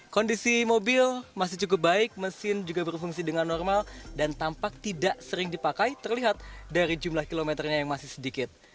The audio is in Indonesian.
kondisi mobil masih cukup baik mesin juga berfungsi dengan normal dan tampak tidak sering dipakai terlihat dari jumlah kilometernya yang masih sedikit